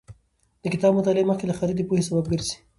د کتاب مطالعه مخکې له خرید د پوهې سبب ګرځي.